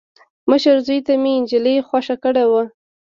مشر زوي ته مې انجلۍ خوښه کړې وه.